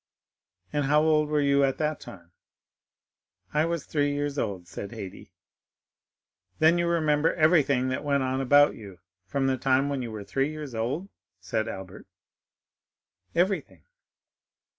"And how old were you at that time?" "I was three years old," said Haydée. "Then you remember everything that went on about you from the time when you were three years old?" said Albert. "Everything."